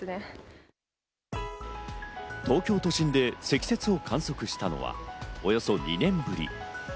東京都心で積雪を観測したのはおよそ２年ぶり。